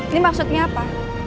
ini maksudnya apa